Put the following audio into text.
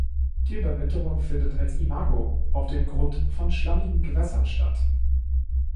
Die Überwinterung findet als Imago auf dem Grund von schlammigen Gewässern statt.